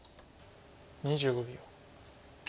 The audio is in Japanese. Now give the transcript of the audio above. ２５秒。